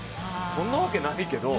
そんなわけないけど。